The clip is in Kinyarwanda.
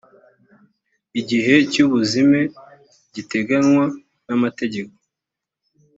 igihe cy ubuzime giteganywa n amategeko